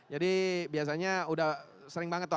jadi biasanya sudah sering banget tuh